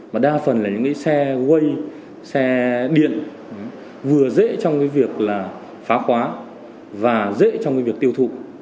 mà đa phần là những cái xe quay xe điện vừa dễ trong cái việc là phá khóa và dễ trong cái việc tiêu thụ